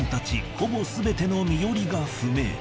ほぼすべての身寄りが不明。